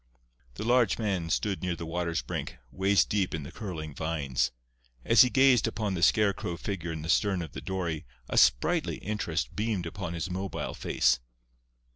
The large man stood near the water's brink, waist deep in the curling vines. As he gazed upon the scarecrow figure in the stern of the dory a sprightly interest beamed upon his mobile face.